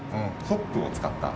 ホップを使った。